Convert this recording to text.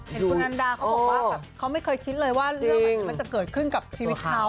เห็นคุณอันดาเขาบอกว่าแบบเขาไม่เคยคิดเลยว่าเรื่องแบบนี้มันจะเกิดขึ้นกับชีวิตเขา